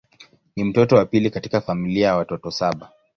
Ni mtoto wa pili katika familia ya watoto saba.